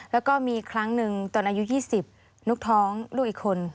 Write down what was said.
แล้วก็มีครั้งหนึ่งตอนอายุ๒๐ลูกท้องลูกอีกคน